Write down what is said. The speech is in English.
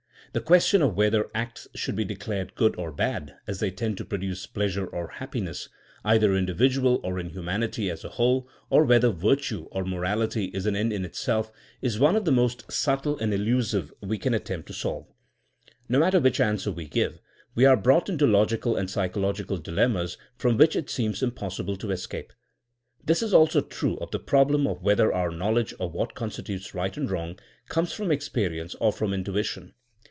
The question of whether acts should be declared good or bad as they tend to produce pleasure or happiness, either individual or in humanity as a whole, or whether vir tue" or *^ morality" is an end in itself, is one of the most subtle and elusive we can attempt to solve; no matter which answer we give we are brought into logical and psychological di lemmas from which it seems impossible to es cape. This is also true of the problem of whether our knowledge of what constitutes right and wrong comes from experience or from in tuition.